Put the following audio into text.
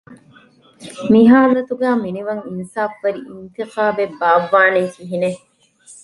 މި ހާލަތުގައި މިނިވަން އިންސާފުވެރި އިންތިޚާބެއް ބާއްވާނީ ކިހިނެއް؟